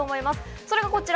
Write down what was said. それがこちら。